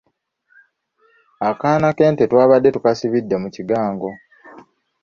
Akaana k’ente twabadde tukasibidde mu kigango.